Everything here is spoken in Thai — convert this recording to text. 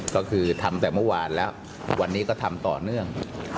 ก็คือทำแต่เมื่อวานแล้ววันนี้ก็ทำต่อเนื่อง